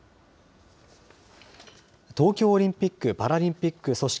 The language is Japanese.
東京オリンピック・パラリンピック組織